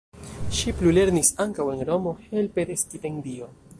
Ŝi plulernis ankaŭ en Romo helpe de stipendio.